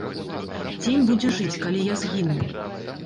Цень будзе жыць, калі я згіну.